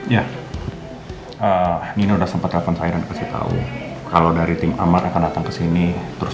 ya ini udah sempat telepon saya dan kasih tahu kalau dari tim amar akan datang ke sini terus